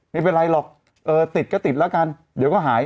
ไม่เป็นไรหรอกเออติดก็ติดแล้วกันเดี๋ยวก็หาย